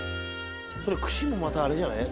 それ串もまたあれじゃない？